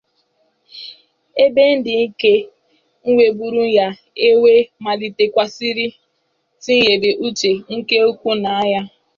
ebe ndị nke nwebụrụ ya enwe malitekwazịrị tinyebe uche nke ukwuu na ya